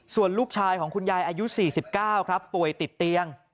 ส่วนลูกชายของคุณยายอายุสี่สิบเก้าครับป่วยติดเตียง